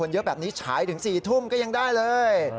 ไหลถึงสี่ทุ่มก็ยังได้เลย